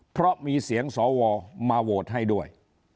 เพราะมีเสียงสวมาโหวตให้ด้วย